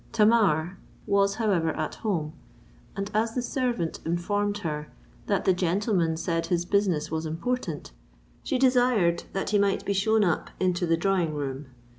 Tamar was, however, at home; and as the servant informed her that "the gentleman said his business was important," she desired that he might be shown up into the drawing room.